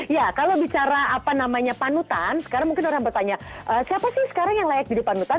ya kalau bicara apa namanya panutan sekarang mungkin orang bertanya siapa sih sekarang yang layak hidup panutan